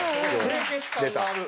清潔感のある。